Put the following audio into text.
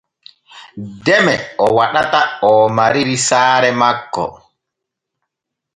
Deme o waɗata oo mariri saare makko.